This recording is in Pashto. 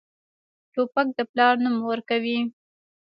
توپک د پلار نوم ورکوي.